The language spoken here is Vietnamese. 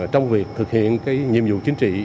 trong việc thực hiện nhiệm vụ chính trị